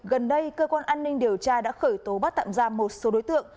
gần đây cơ quan an ninh điều tra đã khởi tố bắt tạm ra một số đối tượng